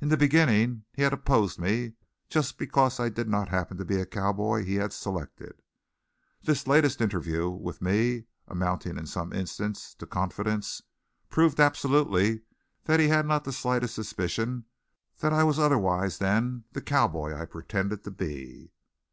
In the beginning he had opposed me just because I did not happen to be a cowboy he had selected. This latest interview with me, amounting in some instances to confidence, proved absolutely that he had not the slightest suspicion that I was otherwise than the cowboy I pretended to be.